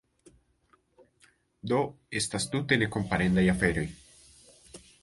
Do, estas tute nekomparendaj aferoj.